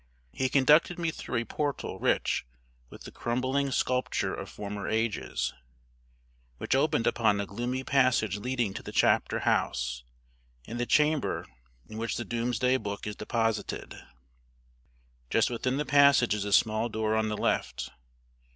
He conducted me through a portal rich with the crumbling sculpture of former ages, which opened upon a gloomy passage leading to the chapter house and the chamber in which Doomsday Book is deposited. Just within the passage is a small door on the left.